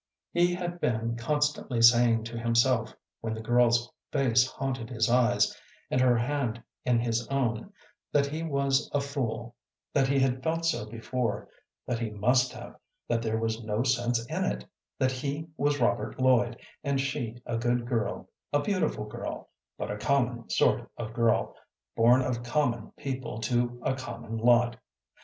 He had been constantly saying to himself, when the girl's face haunted his eyes, and her hand in his own, that he was a fool, that he had felt so before, that he must have, that there was no sense in it, that he was Robert Lloyd, and she a good girl, a beautiful girl, but a common sort of girl, born of common people to a common lot.